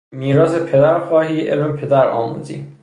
میراث پدرخواهی علم پدرآموزی ...